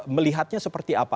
melihatnya seperti apa